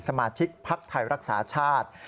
สมาชิกพาร์คไทยรักษาชาติ